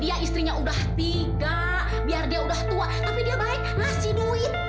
dia istrinya udah tiga biar dia udah tua tapi dia baik ngasih duit